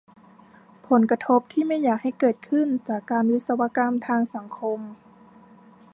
ผลกระทบที่ไม่อยากให้เกิดขึ้น จากการวิศวกรรมทางสังคม